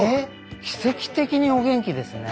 奇跡的にお元気ですね。